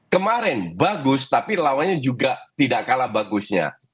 kemarin bagus tapi lawannya juga tidak kalah bagusnya